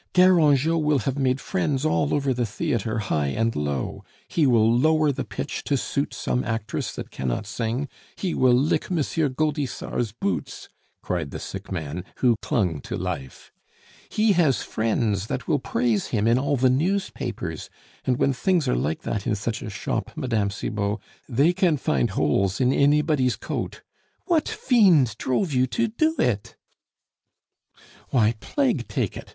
Garangeot will have made friends all over the theatre, high and low. He will lower the pitch to suit some actress that cannot sing, he will lick M. Gaudissart's boots!" cried the sick man, who clung to life. "He has friends that will praise him in all the newspapers; and when things are like that in such a shop, Mme. Cibot, they can find holes in anybody's coat. ... What fiend drove you to do it?" "Why! plague take it, M.